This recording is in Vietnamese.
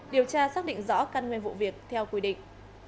điều tra xác định rõ căn nguyên vụ việc theo quy định